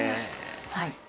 はい。